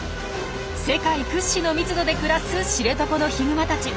世界屈指の密度で暮らす知床のヒグマたち。